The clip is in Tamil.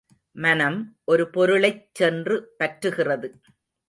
மனம், ஒரு பொருளைச் சென்று பற்றுகிறது.